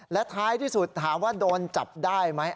และท้ายที่สุดถามว่าโดนจับได้ไหม